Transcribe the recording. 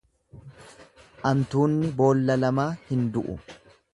Antuunni boolla lamaa hin du'u.